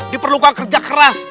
diperlukan kerja keras